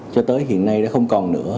cho tới hiện nay đã không còn nữa